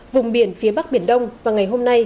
vùng biển phía bắc biển đông và ngày hôm nay